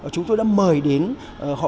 chúng tôi đã mời đến họ